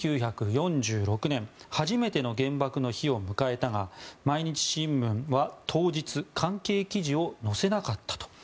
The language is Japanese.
１９４６年初めての原爆の日を迎えたが毎日新聞は当日関係記事を載せなかったと。